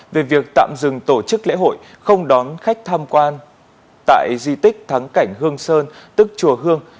về việc tạm dừng tổ chức lễ hội không đón khách tham quan tại di tích thắng cảnh hương sơn tức chùa hương